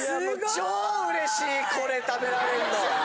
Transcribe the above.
超うれしいこれ食べられんの。